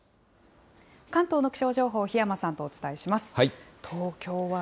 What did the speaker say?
関東の気象情報、檜山さんとお伝えします。